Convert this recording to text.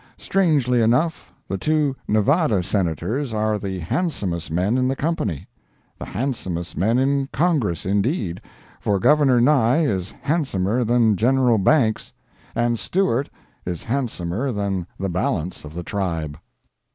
Strangely enough, the two Nevada Senators are the handsomest men in the company—the handsomest men in Congress, indeed, for Governor Nye is handsomer than General Banks; and Stewart is handsomer than the balance of the tribe.